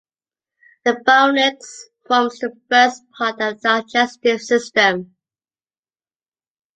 The pharynx forms the first part of the digestive system.